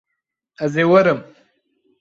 Ez ê werim.